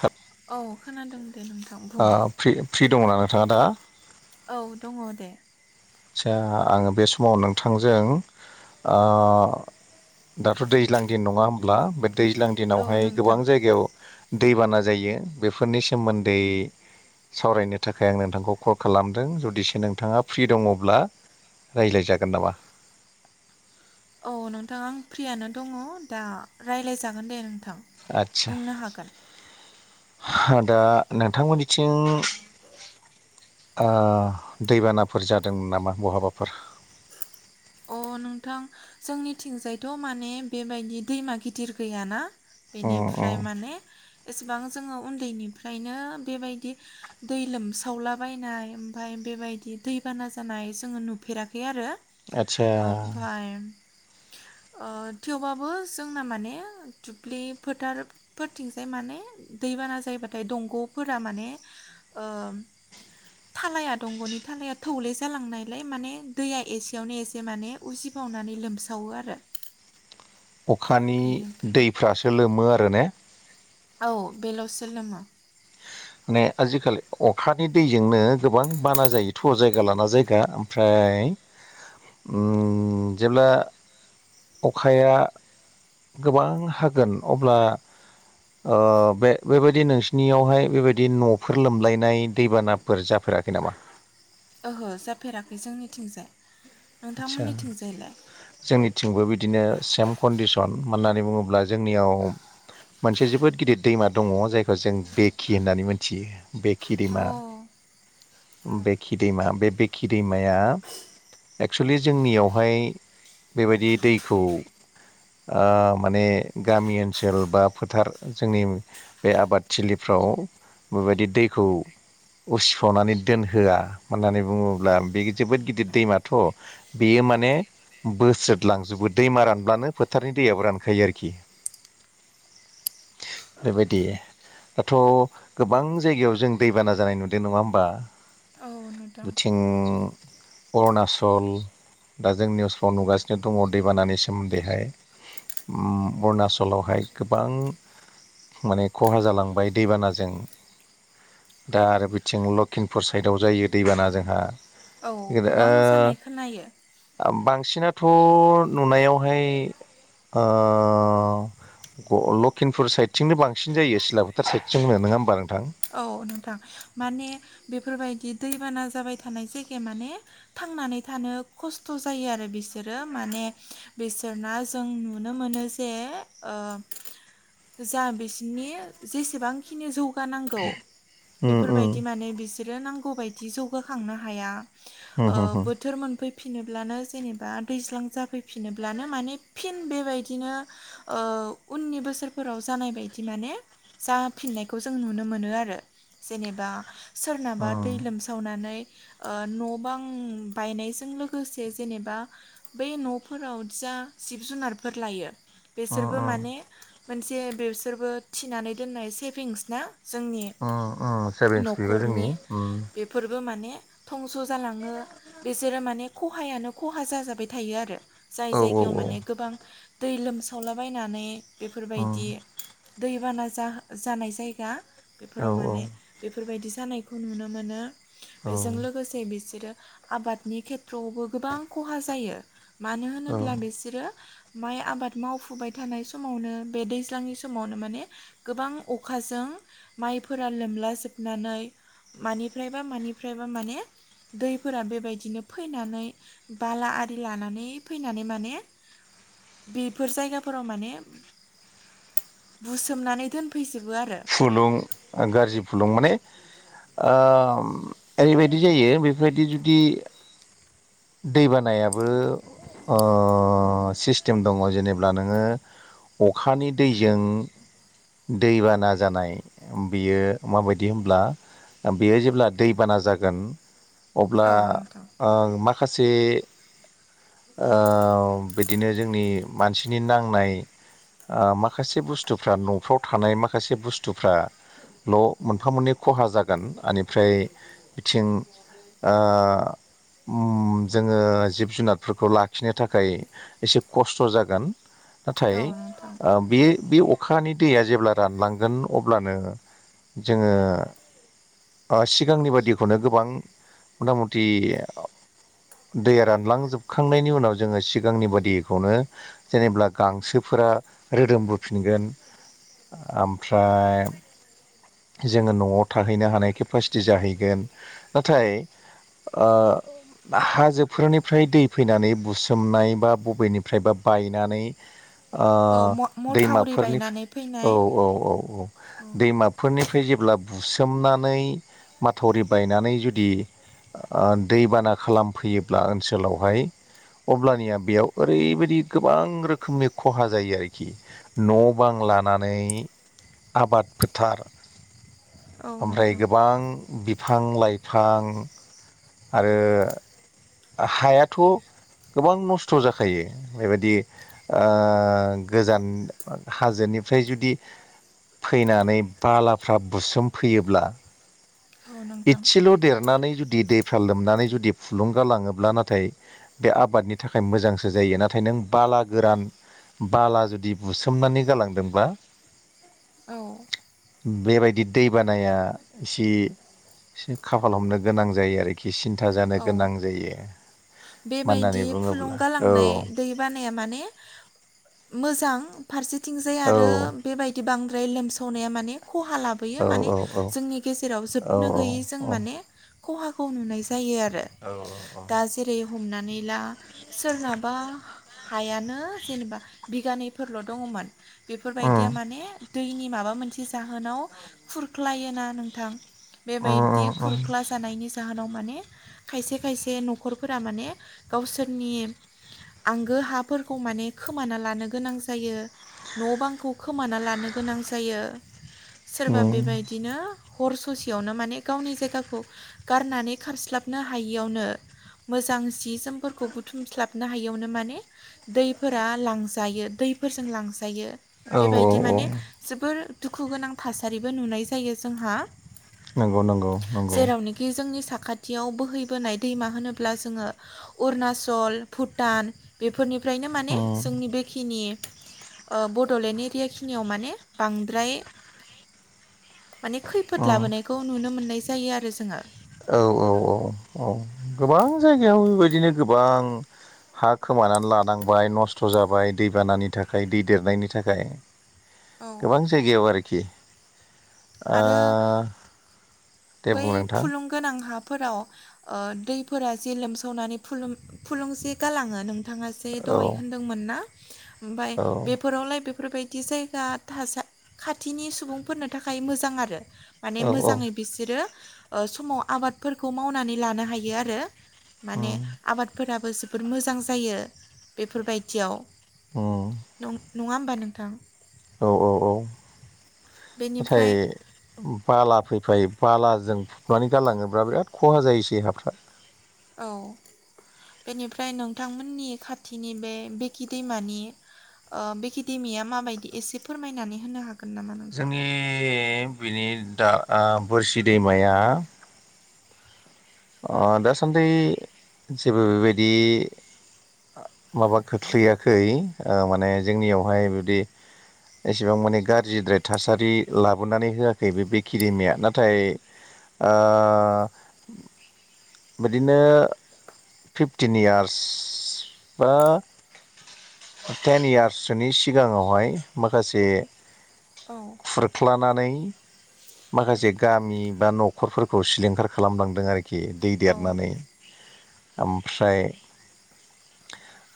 हाब औ खोनादों दे नोंथां बुं ओ फ्रि फ्रि दङना नोंथाङा दा? औ दङ दे आसा आङो बे समाव नोंथांजों ओ दाथ दैज्लां दिन नङा होनोमब्ला बे दैज्लां औ दिनावहाय नोंथां गोबां जायगायाव दैबाना जायो बेफोरनि सोमोन्दै सावरायनो थाखाय आं नोंथांखौ कल खालामदों जुदिसो नोंथाङा फ्रि दङ ब्ला रायलायजागोन नामा? औ नोंथां आं फ्रियानो दङ दा रायज्लायजागोन दे नों थां बुंनो हागोन औ दा नोंथांमोननिथिं ओ दैबानाफोर जादोंमोन नामा बहाबाफोर? अ नोंथां जोंनिथिंजायथ माने बेबायदि दैमा गिदिर गैयाना उम उम बेनिफ्राय माने एसेबां जोङो उन्दैनिफ्रायनो बेबायदि दै लोमसावलाबायनाय ओमफ्राय बेबायदि दैबाना जानाय जोङो नुफेराखै आरो आतसा ओमफाय [inaudible] ओ थेवबाबो जोंना माने दुब्लि फोथारफोरथिंजाय माने दै बाना जायोबाथाय दंग'फोरा माने ओ थालाया दंग'नि थालाया थौले जालांनायलाय माने दैया एसे बेयावनो एसे माने उजिफावनानै लोमसावो आरो अखानि बेनिफ्राय दैफ्रासो लोमो आरो ने? औ बेलसो लोमा माने आजिखालि अखानि दैजोंनो गोबां बाना जायोथ जायगा लाना जायगा ओमफ्राय य औ जेब्ला अखाया गोबां हागोन अब्ला ओ बे बेबायदि नोंसिनियावहाय बेबायदि नफोर लोमलायनाय दैबानाफोर जाफे राखै नामा ओहो जाफेराखै जोंनिथिंजाय आदसा नोंथांमोननिथिंजायलाय जोंनिथिंबो बिदिनो सेम कन्दिसन मानोनानै बुङोब्ला जोंनियाव मोनसे जोबोद गिदिर दैमा दङ जायखौ जों बेखि होननानै मोनथियो बेखि औ। दैमा बेखि दैमा बे बेखि दैमाया एक्सुेलि जोंनियावहाय बेबायदि दैखौ। औ माने गामि ओनसोल बा फोथार जोंनि बे आबादथिलिफ्राव औ बेबायदि दैखौ उसिफ'नानै दोनहोआ होननानै बुङोब्ला बे जोबोद गिदिर दैमाथ' बेयो माने। बोस्रोदलांजोबो दैमा रानब्लानो फोथारनि दैयाबो रानखायो आरोखि [inaudible] बेबायदि दाथ' गोबां जायगायाव जों दैबाना जानाय नुदों नङा होमबा। औ नोंथां बोथिं अरुणाचल दा जों निउसफ्राव नुगासिनो दङ दैबानानि सोमोन्दैहाय। अरुणाचलावहाय गोबां। माने खहा जालांबाय दैबानाजों दा आरो बिथिं लक्षिम पुर साइदआव जायो दैबाना जोंहा औ गोबां ओ जानाय खोनायो। बांसिनाथ' नुनायावहाय ओ। लखिमपुर साइदथिंनो बांसिन जायो सिलापुथार साइदथिंनो नङा होमबा? नोंथां औ नोंथां माने बे बेफोरबायदि दैबाना जाबाय थानाय जायगाया माने थांनानै थानो खस्थ' जायो आरो बिसोर। माने बिसोरना जों नुनो मोनो जे ओ जा बिसिनि जेसेबांखिनि जौगानाय। उम उम बेफोरबायदि माने बिसोरो नांगौबायायदि जौगाखांनो हाया। ओ उम उम उम बोथोर मोनफै फिनोब्लानो जेनेबा दैज्लां जाफैफिनोब्लानो माने फिन बेबायदिनो ओ। उननि बोसोरफोराव जानाय बायदि माने जाफिननायखौ जों नुनो मोन मोनो आरो जेनेबा सोरनाबा दै लोमसावनानै। ओ न' बां बायनायजों लोगोसे जेनेबा बै न'फोराव जिब जुनारफोर लायो। उम बेसोरबो माने मोनसे बिसोरबो थिनानै दोननाय सेभिंस ना। जोंनि उम उम सेभिंस बेबो जोंनि न'खरनि उम बेफोरबो माने। थंस' जालाङो बिसोरो माने खहायानो खहा जाजाबाय थायो आरो। जाय औ जायगायाव औ माने गोबां दै लोमसावलाबायनानै उम बेफोरबायदि। दैबाना जानाय जायगा औ बेफोराव माने औ बेफोर। बेफोरबायदि जानायखौ नुनो मोनो बेजों लोगोसे बि बिसोरो आबादनि खेथ्रआवबो गोबां खहा जायो मानो औ होनोब्ला बिसोरो। माइ आबाद मावफुबाय थानाय समावनो बे दैज्लांनि समावनो माने गोबां अखाजों। माइफोरा लोमला जोबनानै। मानिफ्रायबा मानिफ्रायबा माने दैफोरा बेबायदिनो फैनानै बाला। आरि लानानै फैनानै माने बेफोर जायगाफोराव माने। बुसोमनानै दोनफैजोबो आरो। फुलुं गाज्रि फुलुं माने ओ ओरैबायदि जायो बेफोरबायदि जुदि दै बानायाबो ओ सिस्टेम दङ जेनेब्ला नोङो। अखानि दैजों दैबाना जानाय बियो माबायदि होनब्ला बेयो जेब्ला दैबाना जागोन। अब्ला औ नोंथां ओ माखासे ओम बिदिनो जोंनि मानसिनि नांनाय ओ माखासे बुस्थुफ्रा न'फ्राव थानाय माखासे बुस्थुफ्रा ल' मोनफा मोननै खहा जागोन बेनिफ्राय बिथिं ओ उम जोङो जिब जुनारफोरखौ लाखिनो थाखाय एसे खस्थ' जागोन नाथाय औ नोंथां ओ बे बे अखानि दैया जेब्ला रानलांगोन अब्लानो जोङो सिगांनि बादिखौनो गोबां मथा मथि दैया रानलांजोबखांनायनि उनाव जोङो सिगांनि बादिखौनो जेनेबा गांसोफो रा रोदोमबोफिनगोन ओमफ्राय जोङो न'आव थाहैनो हानाय केपासिटि जाहैगोन नाथाय ओ हाजोफोरनिफ्राय दै फैनानै बुसोमनाय बा बबेनिफ्राय बा बायनानै ओ औ मथावरि दैमाफोरनि बायनानै फैनाय औ औ औ औ औ दैमा निफ्राय जेब्ला बुसोमनानै माथावरि बायनानै जुदि ओ दैबाना खालामफैयोब्ला ओनसोलावहाय अब्लानिया बेयाव ओरैबायदि गोबां रोखोमनि खहा जायो आरोखि न' बां लानानै आबाद फोथार औ ओमफ्राय नोंथां गोबां बिफां लाइफां आरो हायाथ' गोबां नस्थ' जाखायो बेबायदि ओ गोजान हाजो निफ्राय जुदि फैनानै बालाफ्रा बुसोम फैयोब्ला औ नोंथां इदसेल' देरनानै जुदि दैफ्रा लोमनानै जुदि फुलुं गालाङोब्ला नाथाय बे आबादनि थाखाय मोजांसो जायो नाथाय नों बाला गोरान बाला जुदि बुसोमनानै गालांदोंब्ला औ बेबायदि दै बानाया इसे एसे खाफाल हमनो गोनां जायो आरोखि सिन्था जानो औ गोनां जायो। मानो होननानै बेबायदि फुलुं बुङोब्ला औ गालांनाय दै बानाया माने मोजां फारसेथिंजाय औ आरो बेबायदि बांद्राय लोमसावनाया माने खहा लाबोयो औ माने औ औ जोंनि गेजेराव औ जोबनो गैयै जों औ माने खहाखौ नुनाय जा औ औ औ हमनानै ला सोरनाबा हायानो जेनेबा बिगानैफोरल' दङमोन। उम बेफोरबायदिया माने दैनि माबा मोनसे जाहोनाव खुरख्लायोना नोंथां बेबायदि खुरख्ला जानायनि जाहोनाव माने खायसे खायसे न'खरफोरा माने गावसोरनि आंगो हाफोरखौ माने खोमाना लानो गोनां जायो। न' बांखौ खोमाना लानो गोनां जायो। सोरबा उम बेबायदिनो हर ससेयावनो माने गावनि जायगाखौ गारनानै खारस्लाब नो हायियावनो मोजां जि जोमफोरखौ बुथुमस्लाबनो हायियावनो माने दैफोरा लांजायो दै फोरजों लांजायो। औ बेबायदि औ माने जोबोर दुखु गोनां थासारिबो नुनाय जायो जोंहा नंगौ नंगौ नंगौ जेरावनोखि जोंनि सा खाथियाव बोहैबोनाय दैमा होनोब्ला जोङो अरुणचल भुटान बेफोरनि फ्रायनो माने उम जोंनि बेखिनि बड'लेण्ड एरिया खिनियाव माने बांद्राय माने खैफोद उम लाबोनायखौ नुनो मोननाय जायो आरो जोङो औ औ औ औ गोबां जायगायाव बेबायदिनो गोबां हा खोमानानै लानांबाय नस्थ' जाबाय दैबानानि थाखाय दै देरनायनि थाखाय। औ गोबां जायगायाव आरोखि आ आरो दे बै बुं नोंथां। फुलुं गोनां हाफोराव ओ दैफोरा जे लोमसावनानै फुलुं फुलुं जे गालाङो नों थाङा जे औ दहाय होनदोंमोन ना ओमफाय औ बेफोरावलाय बेफोरबायदि जायगा थासा खाथिनि सुबुंफोरनो था खाय मोजां आरो माने औ औ मोजाङै बिसोरो समाव आबादफोरखौ मावनानै लानो हायो आरो माने उम आबादफोरा जोबोर मोजां जायो बेफोर बायदियाव अ नङा होमबा नोंथां? औ औ औ नाथाय बेनिफ्राय बाला फैफायो बालाजों फबनानै गारलाङोब्रा बिराद खहा जायोसै हाफ्रा। औ बेनिफ्राय नोंथांमोननि खाथिनि बे बेकि दैमानि ओ बेकि दैमिया माबायदि एसे फोरमायनानै होनो हागोनना? जोंनि बिनि दा बोरसि दैमाया दासान्दि जेबो बेबायदि माबा खोख्लैयाखै ओ माने जोंनियावहाय बिदि एसेबां माने गाज्रिद्राय थासारि लाबोनानै होयाखै बेकि बेकि दैमाया नाथाय ओ बिदिनो फिफटिन इयार्स बा टेन इयार्ससोनि सिगाङावहाय माखासे औ लानानै माखासे गामि बा न'खरफोरखौ सिलिंखार खालामलांदों आरोखि खि दै औ देरनानै ओमफ्राय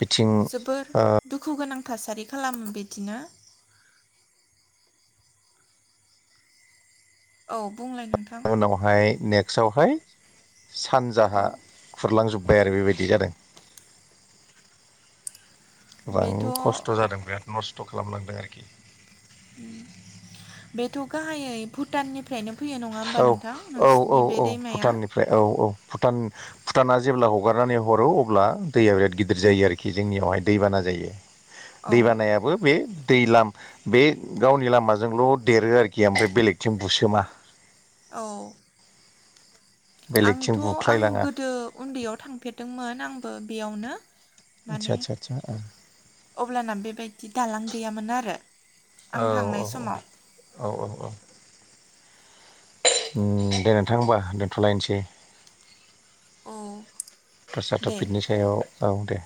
बिथिं जोबोर दुखु गोनां थासारि खालामो बिदिनो औ बुंलाय नोंथां उनावहाय नेक्स्टआवहाय औ सानजाहा खुरलांजोब बाय आरो बेबायदि जादों। गोबां बेथ' खस्थ' जादों बिराद नस्थ' खालामलांदों आरोखि। बेथ' गाहायै भुटाननिफ्रायनो फैयो नङा होमबा औ नोंथां औ औ नोंसिनि बे औ दैमाया? भुटाननिफ्राय औ औ भुटान भुटाना जेब्ला हगारनानै हरो अब्ला दैया बिराद गिदिर जायो आरोखि जोंनियावहाय दैबाना जायो। औ दैबानायाबो बे दै लाम बे गावनि लामाजोंल' देरो आरोखि ओमफ्राय बेलेगथिं बुसोमा। औ बेलेगथिं आंथ' आं बुख्लायलाङा गोदो उन्दैयाव थांफेरदोंमोन आंबो बेयावनो आदसा माने आदसा आदसा अब्लाना बेबायदि दालां गैयामोन आरो। आं औ औ थांनाय समाव औ औ औ औ उम दे नोंथां होमबा दोनथ'लायनोसै। औ दे [unintelligible] सायाव औ दे